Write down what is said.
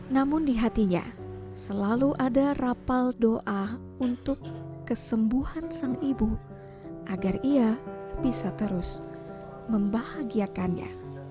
namun di hatinya selalu ada rapal doa untuk kesembuhan sang ibu agar ia bisa terus membahagiakannya